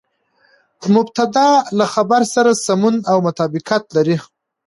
مبتداء له خبر سره سمون او مطابقت لري.